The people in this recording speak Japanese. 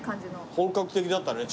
本格的だったね超。